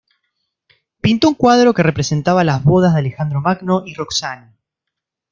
Pintó un cuadro que representaba las "Bodas de Alejandro Magno y Roxana".